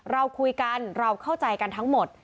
เราคุยกันเราเข้าใจกันทั้งหมด